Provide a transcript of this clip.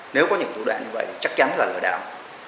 nếu có những thủ đoạn như vậy thì chắc chắn là lừa đảo